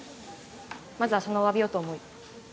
まずはそのお詫びをと思い。